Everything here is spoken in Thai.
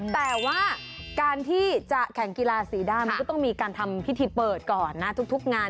แต่ว่าการที่จะแข่งกีฬาสีด้านมันก็ต้องมีการทำพิธีเปิดก่อนนะทุกงาน